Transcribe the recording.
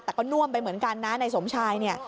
แต่ก็น่วมไปเหมือนกันนะในสมชายเนี่ย